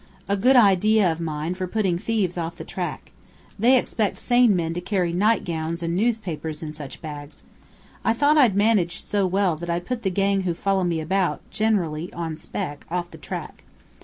A good idea of mine for putting thieves off the track. They expect sane men to carry nightgowns and newspapers in such bags. I thought I'd managed so well that I'd put the gang who follow me about, generally on 'spec,' off the track.